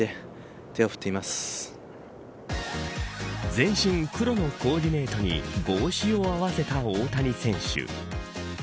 全身黒のコーディネートに帽子を合わせた大谷選手。